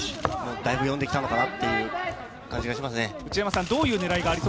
だいぶ読んできたのかなという感じがしますね。